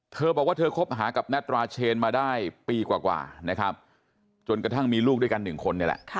เธอบอกว่าเธอคบหากับแนตราเชนมาได้ปีกว่านะครับจนกระทั่งมีลูกด้วยกัน๑คนนี่แหละ